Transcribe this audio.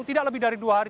tidak lebih dari dua hari